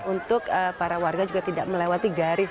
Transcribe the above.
untuk para warga juga tidak melewati garis